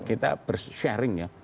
kita bersharing ya